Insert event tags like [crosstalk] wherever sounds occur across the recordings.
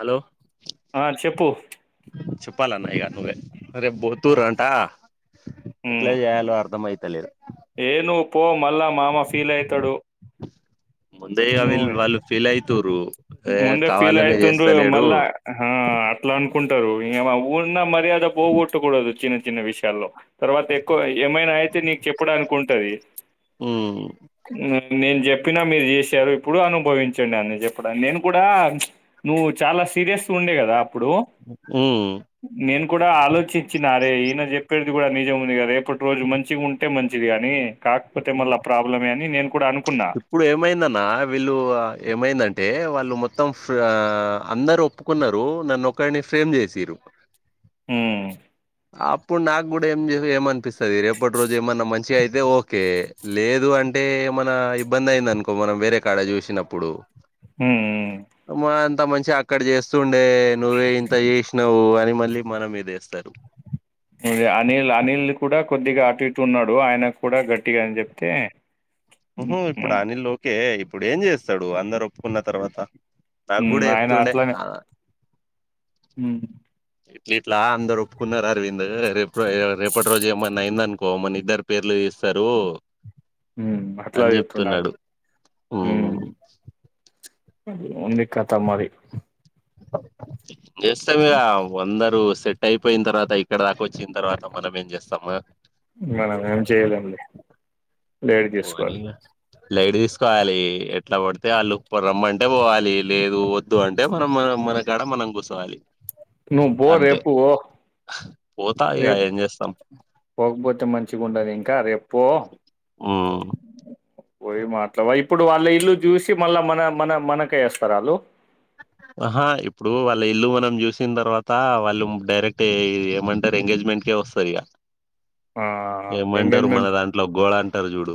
Hello ఆ చెప్పు చెప్పాలన్న ఈగ నువ్వే రేపు పోత్తూరు అంటా ఎట్లేజెయలో అర్ధమైత ఏయ్ నువ్ పో మళ్ళ మామ ఫీల్ అయితాడు ముందే గా విల్ వాళ్ళు ఫీల్ అయితురు ముందు ఫీల్ ఆయితుండు మళ్ళా హ అట్లా అనుకుంటారు ఉన్న మర్యాద పోగొట్టకూడదు చిన్న చిన్న విషయాల్లో తర్వాత ఎక్కువ ఏమైనా అయితే నీకు చెప్పడానికి ఉంటది ఉమ్ ఉమ్, నేను చెప్పినా మీరు చేశారు ఇప్పుడు అనుభవించండి అని చెప్ప అపుడ నేను కూడ ప్చ్ నువ్వు చాలా సీరియస్ ఉండే కదా ఇప్పుడు ఉమ్ నేన్ కూడా ఆలోచించినారే ఈయన చేప్పేది గూడా నిజం ఉంది కదా రేపటి రోజు మంచిగా ఉంటే మంచిది గాని కాకపోతే మళ్ళ ప్రాబ్లమే అని నేను కూడా అను ఇప్పుడు ఏమైందన్న వీళ్ళు ఏమైందంటే వాళ్ళు మొత్తం ఫ అందరు ఒప్పుకున్నారు నన్ను ఒకడిని ఫెమ్ జేసిండ్రు ఊమ్ అప్పుడు నాకు కూడా ఏంజెదు ఏమనిపిస్తది రేపటి రోజు ఏమన్నా మంచిగా అయితే ఓకే లేదు అంటే టె ఏమన్న ఇబ్బంది అయిందిఅనుకో మనం వేరే కాడ జూసినప్పుడు ఊమ్ ఇంత మంచి అక్కడ జేస్తుండే నువ్వే ఇంత చేసినావు అని మళ్ళీ మన మీదేస్తారు ఇగ అనిల్ అనిల్ కూడా కొద్దిగా అటు ఇటు ఉన్నాడు ఆయన కి కూడా గట్టిగా అని జెప్తే ఊహ్ హ్మ్. ఇప్పుడు హ్మ్. అనిల్ ఒకే ఇప్పుడు ఏం జేస్తడు అందరు ఒప్పుకున్న తర్వాత హ్మ్. అఫ్ఫడే చెప్తుండే ఆ ఊమ్ ఇట్ల ఇట్లా అందరు ఒప్పుకున్నారు అరవిందు రేప్ర రేపటి రోజు ఏమన్నా అయిందనుకో మన ఇద్దరు పేర్లు దీస్తరు ఉమ్ అట్లా జెప్తుండాలే ఉమ్ ఉంది కత మరి జేసంగా వంద నువ్ సెట్ అయిపోయిన తర్వాత ఇక్కడ దాకా వచ్చిన తర్వాత మనం ఏం చేస్తాము మనం ఏం చేయలేం లే లైట్ పోనీ తీసుకోవాలి ఇగ లైట్ తీసుకోవాలి ఎట్లా పడితే ఆళ్ళు పొ రమ్మంటే పోవాలి లేదు వద్దు అంటే మనం మనం మ మనకాడ మనం కూర్చోవాలి నువ్ బో అంతే రేపు పోతా ఇక రేప్ ఏం చేస్తాం పోకపోతే మంచిగా ఉండది ఇంకా రేప్ పొ ఆ పోయి మాట్లావా ఇప్పుడు వాళ్ళ ఇల్లు జూసి మళ్ళా మన మన మనకెయి ఒస్తరు ఆళ్ళు ఆహ ఇప్పుడు వాళ్ళ ఇల్లు మనం జూసిన్ దర్వాత వాళ్ళు డైరెక్ట్ ఇ ఏమంటారు ఎంగేజ్మెం ట్కే ఒస్తారిగా ఆ! ఏమంటారు మన దాంట్లో గోళ అంటరు జూడు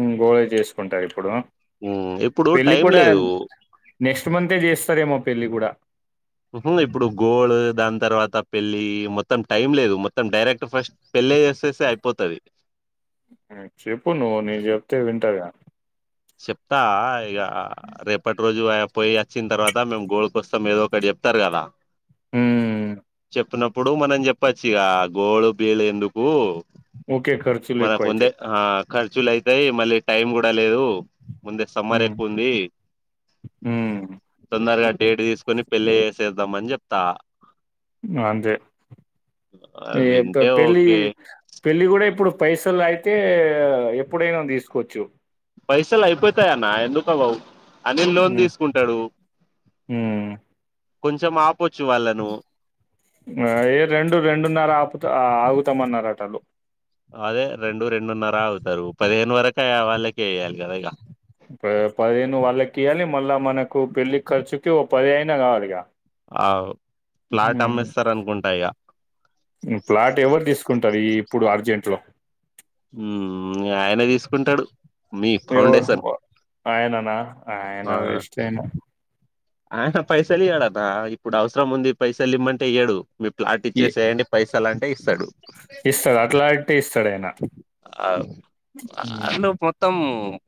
ఊమ్ గో అ జేసుకుంటారు ఇప్పుడు ఉమ్ ఇప్పుడు పెళ్ళి టైం కూడా లేదు నెక్స్ట్ మంతే చేస్తారేమో పెళ్ళి గూడా ఇప్పుడు ఇపుడు గోల్డ్ దాని తర్వాత పెళ్ళి మొత్తం టైం లేదు మొత్తం డైరెక్ట్ ఫస్ట్ పెళ్ ళ్లే ఏసేస్తే అయిపోతది ఆ చెప్పు నువ్వు నేను జెప్తే వింటరుగా సెప్తా ఇగ రేపటి రోజు ఆ పోయి అచ్చిన్ తర్వాత మేమ్ గోల్కొస్తాం ఏదో ఒకటి జెప్తరు గదా ఊమ్ వొస్తునప్పుడు మనం జెప్పచ్చిగా గోడు బీలు ఎందుకు ఊకే ఖర్చులు మనకు ఉందే ఎక్కువైతాయి ఆ ఖర్చులు అయితాయి మళ్ళీ టైం గూడా లేదు ముందే సమ్మర్ హ్మ్ ఎక్కువ ఉంది హ్మ్ తొందరగా డేట్ దీసుకొని పెళ్లే చేసేద్దాం అని జెప్తా అంతే ఆ, ఇగ పె వింటే పెళ్ళి ఓకే పెళ్ళి గూడా ఇప్పుడు పైసలు అయితే ఎప్పుడైనా దీసుకోవచ్చు పైసల్ అయిపోతయన్న ఎందుకవవు అని లోన్ హ్మ్ దీస్కుంటడు హ్మ్ కొంచెం ఆప్ ఏ రెండు రెండున్నర ఆపుతా ఆగుతమన్నారటళ్లు అదే రెండు రెండున్నర ఆగుతరు పదిహేను వరకయ వాళ్ళకె ఇయాలి గదా ఇగ ప పదిహేను వాళ్ళకి ఇయ్యాలి మళ్ళా మనకు పెళ్లి ఖర్చుకి ఒ పదయినా కావాలిగ ఆ ఫ్లాట్ అమ్మేస్తరు అనుకుంటా ఇగ ప్లాట్ ఎవరు తీసుకుంటారు ఈ ఇప్పుడు అర్జెంట్ లో ఆయనే తీసుకుంటడు మీ ఎవడు ఫౌండేషన్ ఆయననా ఆయన ఆ వేస్ట్ అయన ఆయన పైసలు ఇయడన ఇప్పుడు అవసరం ఉంది పైసలు ఇమ్మంటే యియ్యడు మీ ప్లాట్ ఇచ్చేసేయండి పైస లన్టే ఇస్తడు ఇస్తడు అట్లాంటి ఇస్తాడైనా ఆ ఊ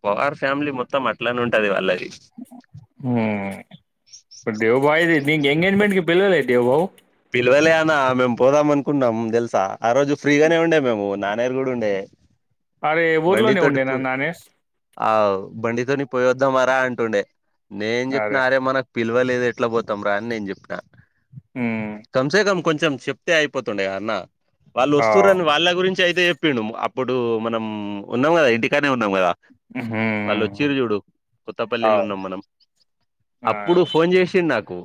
పగార్ ఫ్యామిలీ మొత్తం అట్లనే ఉంటుది వాళ్ళది దేవు భాయిది న ఎంగేజ్ మెంట్ కి పిలువలే దేవ భా పిల్వలే అన్న మేము పోదాం అనుకున్నాం తెలుసా ఆ రోజు ఫ్రీగానే ఉండే మేము నాన్నగారు కూడా ఉండే అరే ఊర్లోనే బండితోతి ఉండేనా పోయి నానేష్ ఆ బండితో ని పోయొద్దామారా అంటుండే నేను చెప్పిన అరే మనకు పిలవలేదు ఎట్లా పోతాం రా అని నేను చెప్పినా హ్మ్. కంసే కం కొంచెం చెప్తే అయిపోతుండే కదన్న వాళ్ళు ఆ వస్తుర్రని వాళ్ళ గురించి అయితే చెప్పిండు ఇప్పుడు మనం ఉన్నాం కదా ఇంటికానే ఉన్నాం కదా ఊ హు కొత్తపల్లిలున్నాం మనం ఆ. అప్పుడు ఫోన్ చేసిండు నాకు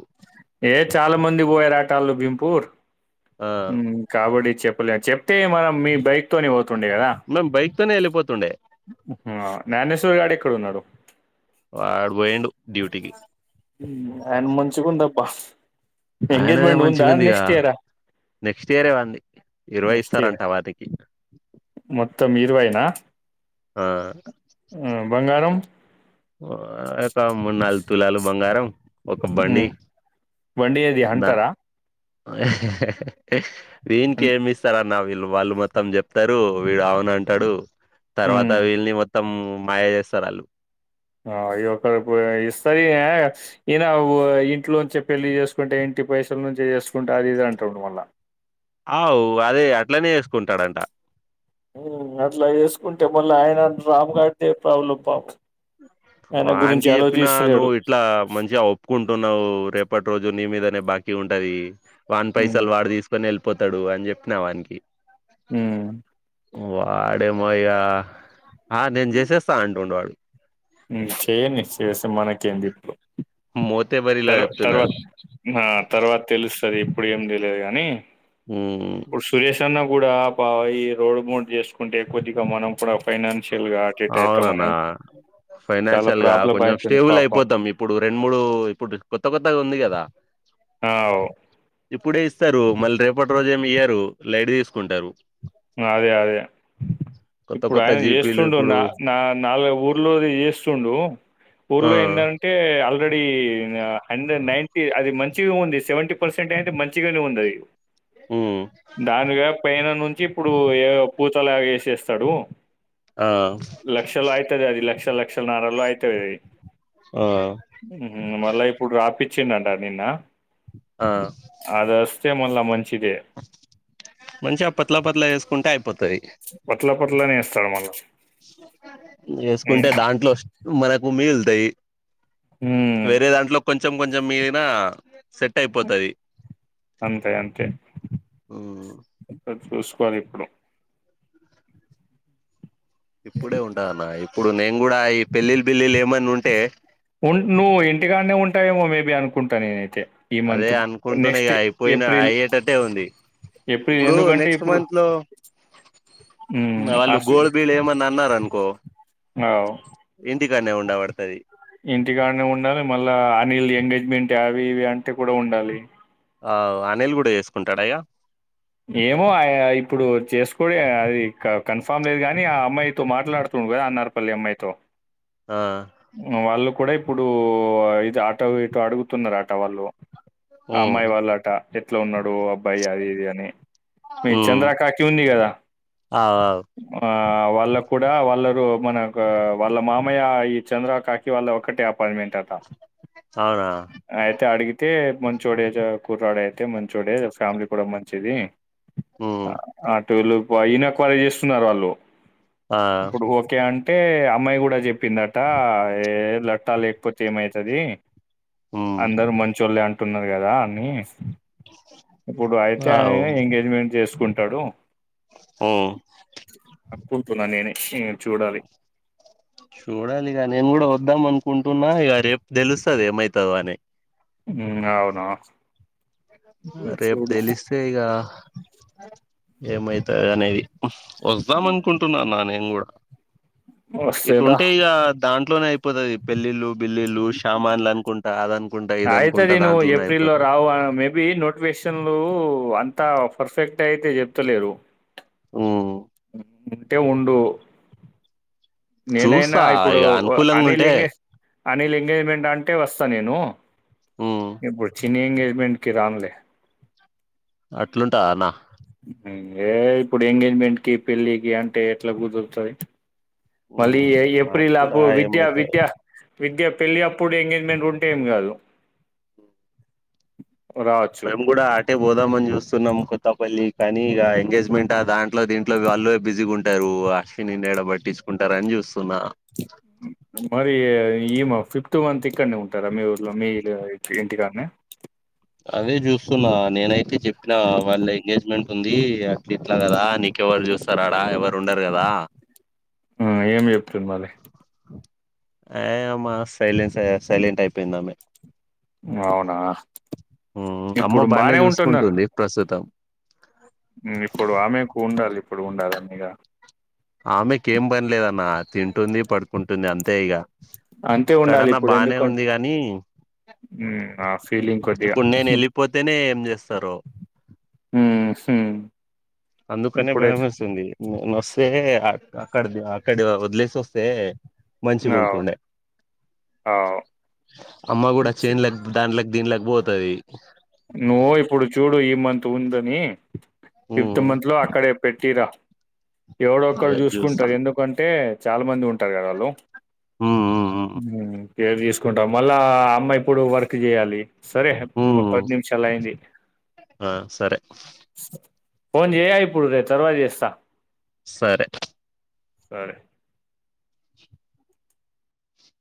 ఏ చాలా మంది పోయారు భింపూర్ ఆ కాబట్టి చెప్పలే చెప్తే మనం మీ బైక్ తోని వ మె మ్ బైక్ తోనే వెళ్ళిపోతుండే జ్ఞానేశ్వర్ గాడు ఎక్కడ ఉన్నాడు వాడు పోయిడు డ్యూటీికి అండ్ మంచికి ఉందప్పా ఆయనదే ఎంగేజ్మెంట్ ఉందా మంచిగా ఉందిగా నెక్స్ట్ ఇయరా నెక్స్ట్ ఇయర్ ఏవంది ఇరవై నెక్స్ట్ ఇయర్ ఇస్తారంట వాని కి మొత్తం ఇరవైనా బంగారం మన్నాలు తులాలు బంగారం ఒక బండి ఉమ్ బండి ఏది ద హంటరా వీన్కమిస్తార నా వీళ్ళు వాళ్ళు మొత్తం చెప్తారు వీడు అవున అంటాడు తర్వాత ఉమ్ వీళ్ళని మొత్తం మాయా చేస్తారు వాళ్ళు ఆ అవి ఒక ర ఇస్తారు ఈయన ఇంట్లోంచి పెళ్లిి చేసుకుంటే ఇ ట్టి పైసల నుంచి చేసుకుంటే అది ఇది అంటాండడు మళ్ల అవు అదే అట్లనే వేసుకుంటాడంట అట్లా చేేసుకుంటే మళ్ళీ ఆయన రామ్ గారిదే ప్రాబ్లం బ వానికి చెప్పినా నువ్వు ఇట్లా మంచిగా ఒప్పుకుంటున్నా వు రేపటి రోజు నీ మీదనే బాీ ఉంటది వాన్ ఉమ్ పైసలు వాడు తీసుకని వె పోతాడు అని చెప్పినా ఆనికి హ వాడేమోయ్యా ఆ నేను చేసేస్తా అంటుండే వాడు నిచయం నిశ్చసి మనకేంది ఇప్పు మోతే బరిలో తర్వా తర్వాత చెప్తున్నాడు తర్వాత తెలుస్తుంది ఇప్పుడు ఏం తెయదు కాగాని అ కూడా బావయి రోడ్డు మోడు చేసుకుంటే కొద్దిగా మనం కూడా ఫైనాన్షియల్గాార్టిట్ ఎతే మనం అవునన్నా ఫైనాన్షియల్ గా కొంచెం స్టేబుల్ అయిపోతాం ఇప్పుడు రెండు మూడు ఇప్పుడు కొత్త కొత్తగా ఉంది కదా ఆ ఓ, ఇప్పుడే ఇస్తారు మళ్ళీ రేపటి రోజే ఇయ్యారు లైడ్ తీసుకుంటారు అదే అదే కొత్త ఇప్పుడు కొత్త ఆయన జీపీలు చేస్తు ండు ఇప్పుడు నాలు ఊర్లో చేస్తుండు ఆ ఊర్లో ఏంటంటే ఆల్రెడీ హండ్రె నైీ అది మంచిగా ఉంది సెవెంటీ పర్సెంట్ అయితే మంచిగానే ఉందిది ఉమ్ దాని పైన నుంచి ఇప్పుడు ఏ పూతలు వేసేస్తాడు ఆ లక్షలు అవుతుది అది లక్ష లక్షలన్నరలో అవుతుది అది ఆ మళ్ళా ఇప్పుడు రాపిచ్చిండంట నిన్న ఆ నుంచే మల్ల మంచిగా పత్లా పత్లా వేసుకుంటే అయిపోత పత్ల పత్ల ఇస్తాడు మళ వేసుకుంటే దాంట్లో మనకు మిగులుతాయి. హ్మ్ వేరే దాంట్లో కొంచెం కొంచెం మిగిలిన సెట్ అయిపోతది. అంతే అంతే పది ఇప్పుడు [unintelligible] ఇప్పుడే ఉంటదు అన్న ఇప్పుడు నేను కూడా ఈ పెళ్ళిళ్ళ బిల్లిలు ఉంటే ఉ నువ్వు ఇంటికానే ఉంటావేమో మేబి అనుకుంటా నేనైతే ఈ అదే మంత్ అనుకుంటున్నా ఇక నెక్స్ట్ అయిపోయిన ఏప్రిల్ అయ్యేటట్టే ఉంది. ఏప్రిల్ ఇప్పుడు ఎందుకంటే నెక్స్ట్ ఇప్పుడు మంత్ లో హ్మ్ వాళ్ళు అసలు గోల్ బిల్ ఏమన్న అన్నరూ అనుకో ఇంటికానే ఉండబడతది. ఇంటికానే ఉండాలి మళ్ళా అనిల్ ఎంగేజ్మెంట్ అవి ఇవి అంటే కూడా ఉండాలి. ఆ అనిల్ కూడా చేసుకుంటాడ ఇగ ఏమో ఇప్పుడు చేసుకో అది కన్ఫామ్ లేదు కాగాని ఆ అమ్మాయితో మాట్లాడుతు అనార్పల్లి అమ్మాయి ఆ వాళ్ళు కూడా ఇప్పుడు ఇది ఆటో ఇటో అడుగుతున్నారు ఆట వాళ్ళు ఆ ఉమ్ అమ్మాయి వాళ్ళు ఆట ఎట్లా ఉన్నాడు అబ్బాయి అది ఇది అని మీ ఉమ్ చంద్ర కాక్యూ ఉంది కదా అవ్ అవ్ వాళ్ళ కూడా వాళ్ళరు మనకు వాళ్ళ మామయ్య ఈ చంద్ర కాకి వాళ్ళ ఒక్కటే అపార్ట్మెంట్ అట అవునా అయితే అడిగితే మంచోడే కూర్రాడ అయితే మంచోడే ఫ్యామిలీ కూడా మంచిది. ఉమ్ అటుళ్ళు అయినకు కాల్ చేస్తున్నారు వాళ్ళు ఆ ఇప్పుడు ఓకే అంటే అమ్మాయి కూడా చెప్పిందంట లట్టా లేకపోతే ఏమైతది ఉమ్ అందరు మంచోళ్ళే అంటున్నారు కదా అని అవు ఎజ్మెంట్ చేసుకుంటాడు ఉమ్ అనుకుంటున్న నేనే ఎం చూడాలి చూడాలి ఇక నేను కూడా వద్దాం అనుకుంటున్నా ఇగా రేపు తెలుస్తది ఏమైతుందో అని హు అవున రేపు తెలిస్తే ఇగ ఏమైతది అనేది వద్దాం అనుకుంటున్నాన్నానేం కూడా వస్తేరా ఇటుంటే ఇగ దాంట్లోనే అయిపోతది పెళ్ళిళ్ళలు బిల్లిళ్ళలు షమాన్లు అనుకుంటా అ దానికి ఆయితది నువు ఏప్రిల్ లో రావు మే ఈ నోటిఫేషన్లు అంత పర్ఫెక్ట్ అయితే చెప్తలేరు హ్మ్ ఉంటే ఉండు నేనైనా చూస్తా ఇప్పుడు ఇగ అనుకూలంగా అని ఉంటే లింగేష్ అనిల్ ఎంగేజ్మెంట్ అంటే వస్తా నేను హ్మ్ ఇప్పు నీ ఎంగేజమెంట్కి రానులే అట్లుంటదా అన్న ఏ ఇప్పుడు ఎంగేజ్మెంట్కి పెళ్లికి అంటే ఎట్లా కుదురుతది మళ్ళీ హ్మ్ మాకు ఏప్రిల్ ఆ కూడా విద్యా ఏమైతదో విద్యా విద్య పెళ్ళి అప్పుడు ఎంగేజ్మెంట్ ఉంటే ఏం కాదు రావచ్చు మేము కూడా అటే పోదామని చూస్తున్నాం కొత్తపల్లి కానీ ఆ ఎంగేజ్మెంట్ ఆ దాంట్లో దీంట్లో వాళ్ళు బిజీగా ఉంటారు అశ్విని నీడ పట్టించుకుంటారు అని చూస్తున్నా మరి ఈమ ఫిఫ్త్ మంత్ ఇక్కనే ఉంటారా మీ ఊర్లో మీ ఇంటికాడనే అదే చూస్తున్నా నేనైతే చెప్పిన వాళ్ళ ఎంగేజ్మెంట్ అంది అక్కడ ఇట్లా కదా నీకెవరు చూస్తార ఆడా ఎవరు ఉండరు కదా ఆ ఏం చెప్తుంది మళ్లీ ఆ అమ్మా సైలెంస్ సైలెంట్ అయిపోయింద ఆమె అవునా అమ్మ ఇప్పుడు బానే ఉంటున్నారు చూసుకుంటుంది ప్రస్తుతం ఇప్పుడు ఆమెకు ఉండాలి ఇప్పుడు ఉండాల అన్నీగా ఆమెకి ఏం పయలేదన్న తింట ఉంటుంది పడుకుంటుంది అంతే ఇక అంతే ఉండాలి ఇక్కడన్నా ఇప్పుడు బానే ఎందుకంటే ఉంది కాగాని ఉమ్, ఆ ఫీలింగ్ కొద్దిగా ఇప్పుడు నేను వెళ్ళిపోతేనే ఏం చేస్తారు హు హ్ అందుకనే భయం వస్తుంది న వస్తే అక్కడ అక్కడ వద్లేసి వస్తే మంచిగా అవు ఉంటుండే అవు అమ్మ కూడా చేనుల దానిలో దీని లేకపోతుది నువ్వు ఇప్పుడు చూడు ఈ మంత్ ఉందని ఫిఫ్త్ మంత్ లో అక్కడే పెట్టిరా ఎవడొక్కరు అదే చూస్తా చూసుకుంటారు ఎందుకంటే చాలా మంది ఉంటారు ఉమ్ ఉమ్ ఉమ్ [unintelligible] తీసుకుంటాం మళ్ళా అమ్మ ఇప్పుడు వర్క్ చేయాలి సరే ఉమ్ నిమిషాలయింది. ఆ సరే ఫోన్ చేయిపుడు రే తవాజేస్త సరే సరే